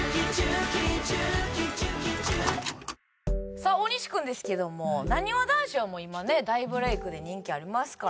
さあ大西君ですけどもなにわ男子はもう今ね大ブレークで人気ありますから。